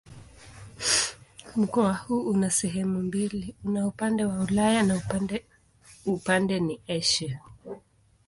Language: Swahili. Mkoa huu una sehemu mbili: una upande wa Ulaya na upande ni Asia.